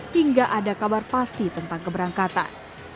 hingga ada kabar pasti tentang keberangkatan